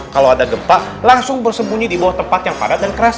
kalau ada gempa langsung bersembunyi di bawah tempat yang padat dan keras